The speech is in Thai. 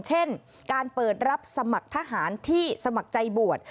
เช่นการเปิดรับสมัครทหารที่สมัครใจบวช